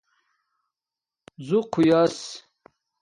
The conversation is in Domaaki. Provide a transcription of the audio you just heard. ژُق ہݸس